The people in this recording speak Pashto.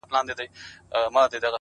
د يويشتمي پېړۍ شپه ده او څه ستا ياد دی;